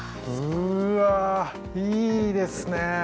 うわあいいですね。